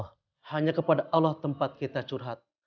allah hanya kepada allah tempat kita curhat